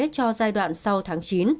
cho giai đoạn sau tháng chín